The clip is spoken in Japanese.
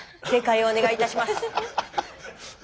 正解をお願いいたします。